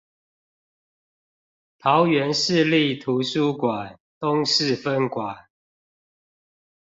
桃園市立圖書館東勢分館